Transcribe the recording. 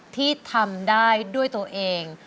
ที่ทำได้ด้วยตัวเอง